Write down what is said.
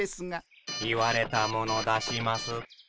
言われたもの出します。